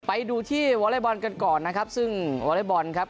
ไปดูที่วอเล็กบอลกันก่อนนะครับซึ่งวอเล็กบอลครับ